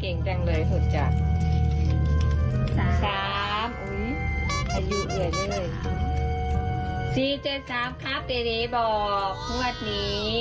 เก่งจังเลยสุดจัด๓อายุเหงื่อด้วย๔๗๓ครับเดเดบอกนวดนี้